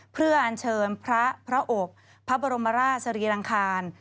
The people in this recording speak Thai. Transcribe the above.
เพื่ออัญเชิญพระพระอบพระบรมราชสรีรังคาร